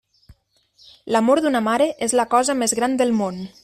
L'amor d'una mare és la cosa més gran del món.